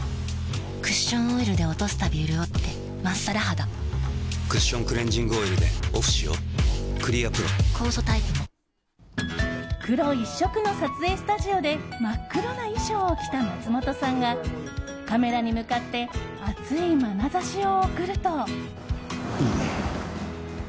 クッションオイルで落とすたび潤ってクッション黒一色の撮影スタジオで真っ黒な衣装を着た松本さんがカメラに向かって熱いまなざしを送ると。